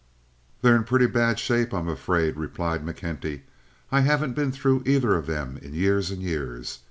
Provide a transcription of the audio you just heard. "They're in pretty bad shape, I'm afraid," replied McKenty. "I haven't been through either of them in years and years.